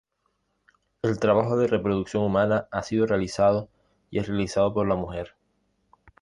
El trabajo de reproducción humana ha sido realizado y es realizado por la mujer.